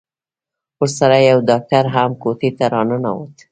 ورسره يو ډاکتر هم کوټې ته راننوت.